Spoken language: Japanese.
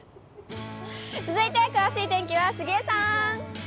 続いて詳しい天気は杉江さん。